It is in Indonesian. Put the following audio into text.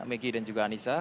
megi dan juga yanisa